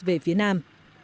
về phía nam